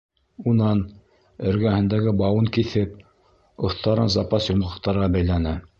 Унан, эргәһендәге бауын киҫеп, остарын запас йомғаҡтарға бәйләне.